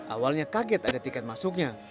awalnya kaget ada tiket masuknya